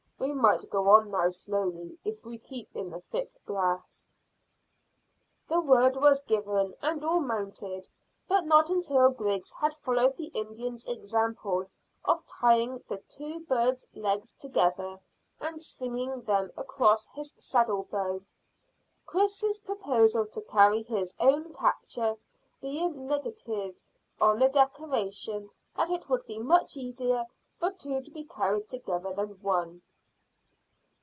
We might go on now slowly if we keep in the thick grass." The word was given, and all mounted, but not until Griggs had followed the Indians' example of tying the two birds' legs together and swinging them across his saddle bow, Chris's proposal to carry his own capture being negatived on the declaration that it would be much easier for two to be carried together than one.